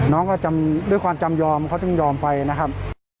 น้องก็จำด้วยความจำยอมเขาจึงยอมไปนะครับ